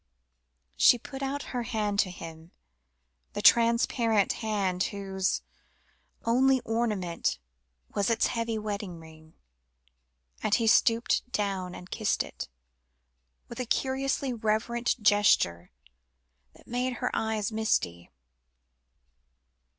She put out her hand to him, the transparent hand, whose only ornament was its heavy wedding ring, and he stooped down and kissed it, with a curiously reverent gesture that made her eyes misty.